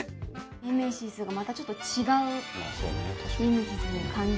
ネメシスがまたちょっと違うネメシスの感じで。